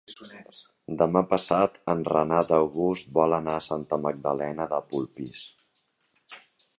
Demà passat en Renat August vol anar a Santa Magdalena de Polpís.